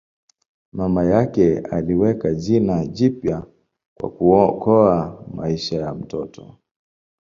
Mama yake aliweka jina jipya kwa kuokoa maisha ya mtoto.